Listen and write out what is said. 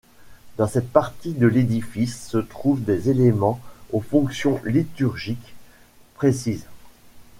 Dans cette partie de l’édifice se trouve des éléments aux fonctions liturgiques précises.